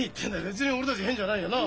別に俺たち変じゃないよな？